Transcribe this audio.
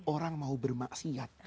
orang mau bermaksiat